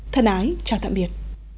thân ái chào tạm biệt